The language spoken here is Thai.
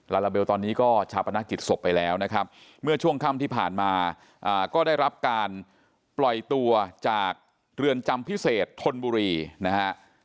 ลาลาเบลตอนนี้ก็ชาปนกิจศพไปแล้วนะครับเมื่อช่วงค่ำที่ผ่านมาก็ได้รับการปล่อยตัวจากเรือนจำพิเศษทนบุรีนะฮะ